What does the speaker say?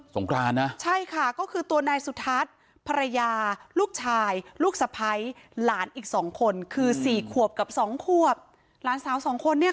งกรานนะใช่ค่ะก็คือตัวนายสุทัศน์ภรรยาลูกชายลูกสะพ้ายหลานอีกสองคนคือสี่ขวบกับสองขวบหลานสาวสองคนเนี่ย